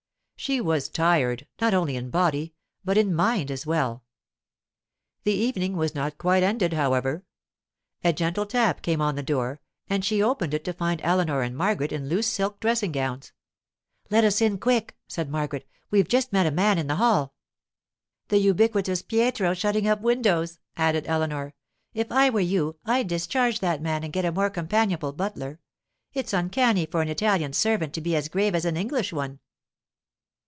She was tired, not only in body, but in mind as well. The evening was not quite ended, however. A gentle tap came on the door, and she opened it to find Eleanor and Margaret in loose silk dressing gowns. 'Let us in quick,' said Margaret. 'We've just met a man in the hall.' 'The ubiquitous Pietro shutting up windows,' added Eleanor. 'If I were you, I'd discharge that man and get a more companionable butler. It's uncanny for an Italian servant to be as grave as an English one.